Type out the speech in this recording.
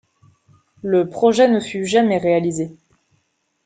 Le projet ne fut jamais réalisé.